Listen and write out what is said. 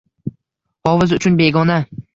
Hofiz uchun begona».